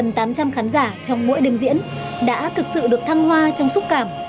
nhà hát hồ gươm gần tám trăm linh khán giả trong mỗi đêm diễn đã thực sự được thăng hoa trong xúc cảm